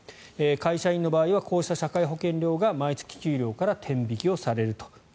会社員の場合はこうした社会保険料が毎月給料から天引きされると。